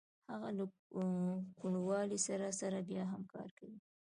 هغه له کوڼوالي سره سره بیا هم کار کوي